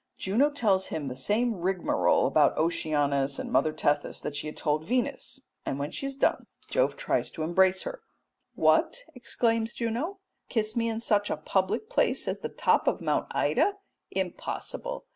Juno tells him the same rigmarole about Oceanus and Mother Tethys that she had told Venus, and when she has done Jove tries to embrace her. "What," exclaims Juno, "kiss me in such a public place as the top of Mount Ida! Impossible!